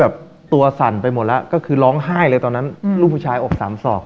แบบตัวสั่นไปหมดแล้วก็คือร้องไห้เลยตอนนั้นลูกผู้ชายอบสามศอก